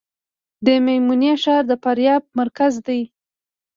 د میمنې ښار د فاریاب مرکز دی